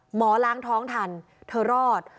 หมอล้างท้องทันเธอรอด